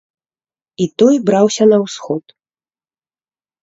І той браўся на ўсход.